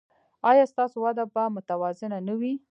ایا ستاسو وده به متوازنه نه وي؟